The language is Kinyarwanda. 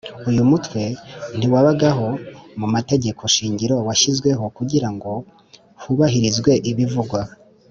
Uyu mutwe ntiwabagaho mu mategeko shingiro washyizweho kugira ngo hubahirizwe ibivugwa